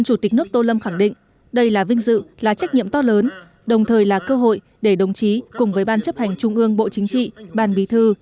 chủ tịch nước tô lâm khẳng định đây là vinh dự là trách nhiệm to lớn đồng thời là cơ hội để đồng chí cùng với ban chấp hành trung ương bộ chính trị ban bí thư